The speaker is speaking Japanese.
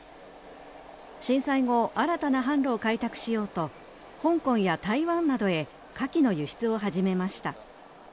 震災後新たな販路を開拓しようと香港や台湾などへカキの輸出を始めました。